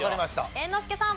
猿之助さん。